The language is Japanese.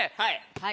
はい。